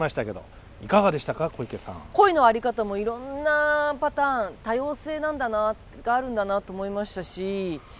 恋の在り方もいろんなパターン多様性があるんだなと思いましたし。